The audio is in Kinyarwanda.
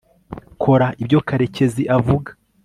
kora ibyo karekezi avuga